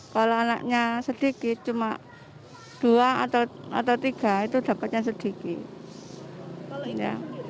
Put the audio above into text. kalau anaknya sedikit cuma dua atau tiga itu dapatnya sedikit